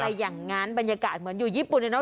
อะไรอย่างงั้นบรรยากาศเหมือนอยู่ญี่ปุ่นนะ